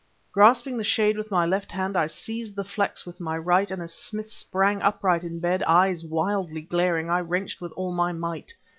_ Grasping the shade with my left hand I seized the flex with my right, and as Smith sprang upright in bed, eyes wildly glaring, I wrenched with all my might.